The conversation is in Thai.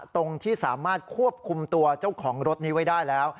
ตรงที่สามารถควบคุมตัวเจ้าของรถนี้ไว้ได้แล้ว